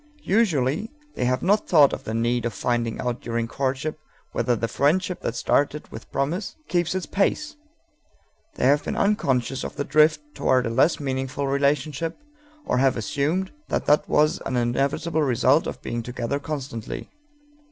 Usually they have not thought of the need of finding out during courtship whether the friendship that started with promise keeps its pace; they have been unconscious of the drift toward a less meaningful relationship, or have assumed that that was an inevitable result of being together constantly.